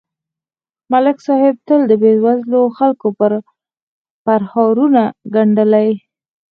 ملک صاحب تل د بېوزلو خلکو پرهارونه گنډلي